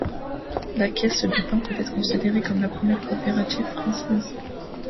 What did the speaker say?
La caisse du pain peut être considérée comme la première coopérative française.